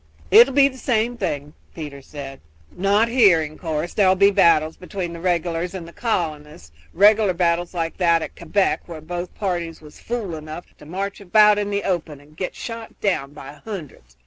"It 'll be the same thing," Peter said; "not here, in course; there 'll be battles between the regulars and the colonists, regular battles like that at Quebec, where both parties was fools enough to march about in the open and get shot down by hundreds.